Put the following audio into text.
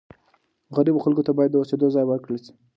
غریبو خلکو ته باید د اوسېدو ځای ورکړل سي.